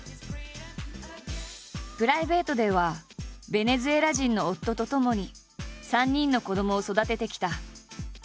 プライベートではベネズエラ人の夫とともに３人の子どもを育ててきた。